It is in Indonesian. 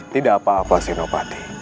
tidak apa apa sinopati